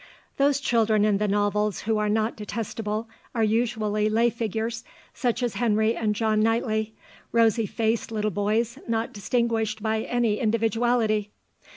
'" Those children in the novels who are not detestable are usually lay figures, such as Henry and John Knightley, rosy faced little boys not distinguished by any individuality.